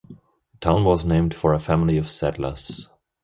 The town was named for a family of settlers.